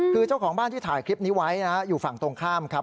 คือเจ้าของบ้านที่ถ่ายคลิปนี้ไว้นะอยู่ฝั่งตรงข้ามครับ